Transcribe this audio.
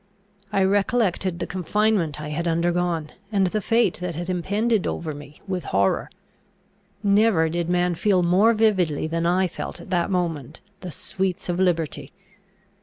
I recollected the confinement I had undergone, and the fate that had impended over me, with horror. Never did man feel more vividly, than I felt at that moment, the sweets of liberty.